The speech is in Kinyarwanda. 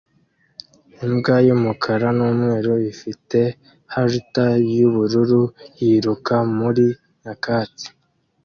Imbwa y'umukara n'umweru ifite halter y'ubururu yiruka muri nyakatsi